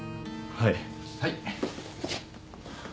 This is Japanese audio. はい。